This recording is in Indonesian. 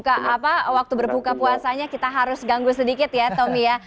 jadi waktu berbuka puasanya kita harus ganggu sedikit ya tommy ya